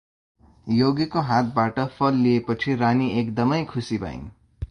योगीको हातबाट फल लिएपछि रानी एकदमै खुसी भइन् ।